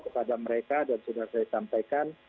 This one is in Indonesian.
kepada mereka dan sudah saya sampaikan